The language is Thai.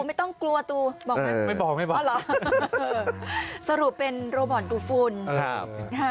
บอกไหมไม่บอกไม่บอกอ๋อเหรอสรุปเป็นโรบอทดูฟูนครับ